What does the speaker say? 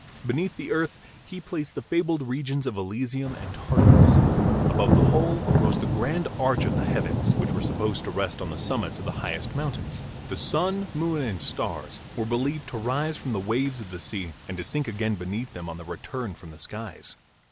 Beneath the earth he placed the fabled regions of Elysium and Tartarus; above the whole rose the grand arch of the heavens, which were supposed to rest on the summits of the highest mountains. The sun, moon and stars were believed to rise from the waves of the sea and to sink again beneath them on their return from the skies.